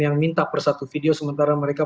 yang minta per satu video sementara mereka